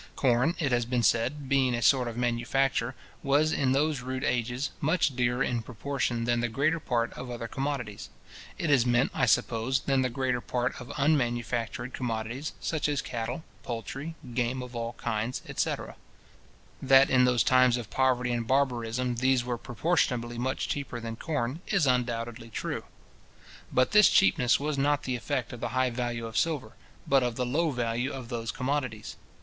Corn, it has been said, being a sort of manufacture, was, in those rude ages, much dearer in proportion than the greater part of other commodities; it is meant, I suppose, than the greater part of unmanufactured commodities, such as cattle, poultry, game of all kinds, etc. That in those times of poverty and barbarism these were proportionably much cheaper than corn, is undoubtedly true. But this cheapness was not the effect of the high value of silver, but of the low value of those commodities.